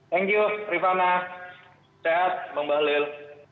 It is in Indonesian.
thank you rifana sehat bang bahlil